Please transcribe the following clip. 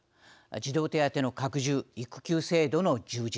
児童手当の拡充育休制度の充実